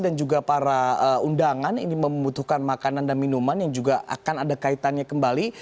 dan juga para undangan ini membutuhkan makanan dan minuman yang juga akan ada kaitannya kembali